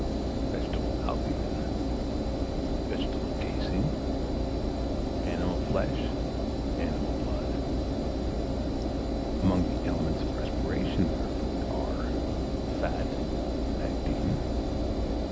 Vegetable albumen. Vegetable caseine. Animal flesh. Animal blood. Among the elements of respiration in our food, are Fat. Pectine.